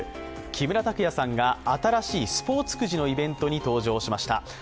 木村拓哉さんが新しいスポーツくじのイベントに登場しました。